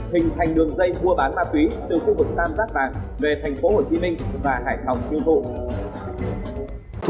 hình thành đường dây mua bán ma túy từ khu vực tam giác bàng về thành phố hồ chí minh và hải phòng tiêu thụ